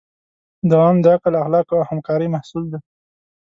دوام د عقل، اخلاقو او همکارۍ محصول دی.